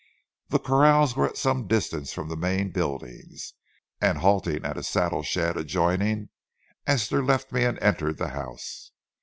The corrals were at some distance from the main buildings, and, halting at a saddle shed adjoining, Esther left me and entered the house.